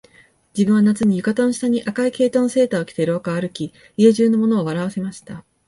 自分は夏に、浴衣の下に赤い毛糸のセーターを着て廊下を歩き、家中の者を笑わせました